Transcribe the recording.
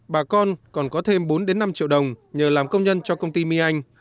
bà con còn có thêm bốn năm triệu đồng nhờ làm công nhân cho công ty my anh